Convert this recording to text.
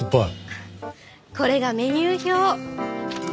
これがメニュー表。